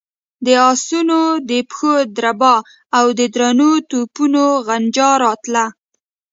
د آسونو د پښو دربا او د درنو توپونو غنجا راتله.